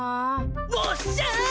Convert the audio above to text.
うおっしゃ！